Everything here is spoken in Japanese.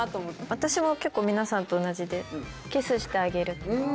私も結構皆さんと同じで「キスしてあげる」。